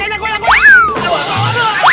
aduh oi baru inget kan